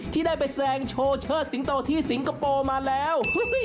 ที่ได้ไปแสดงโชว์เชิดสิงโตที่สิงคโปร์มาแล้ว